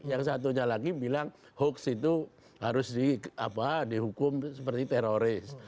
yang satunya lagi bilang hoax itu harus dihukum seperti teroris